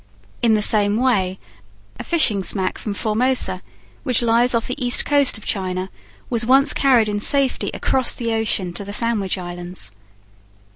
In the same way a fishing smack from Formosa, which lies off the east coast of China, was once carried in safety across the ocean to the Sandwich Islands.